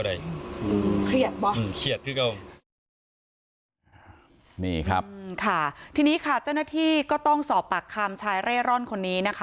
ที่นี้นะครับที่นี้นาทีต้องต้องสอบปากคามคำชายเร่ร่อนคนนี้นะคะ